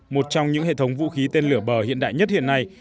một trong những hệ thống vũ khí tên lửa bờ hiện đại nhất hiện nay